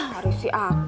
tarik si akang